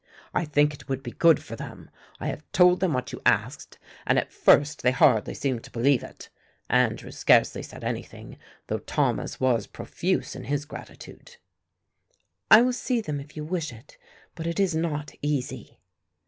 "I think it would be good for them. I have told them what you asked and at first they hardly seemed to believe it. Andrew scarcely said anything, though Thomas was profuse in his gratitude." "I will see them if you wish it, but it is not easy."